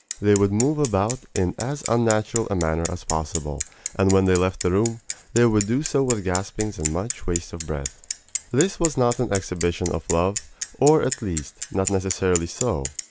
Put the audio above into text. They would move about in as unnatural a manner as possible; and when they left the room, they would do so with gaspings and much waste of breath. This was not an exhibition of love or, at least, not necessarily so.